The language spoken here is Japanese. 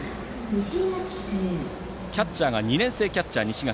キャッチャーが２年生キャッチャー、西垣。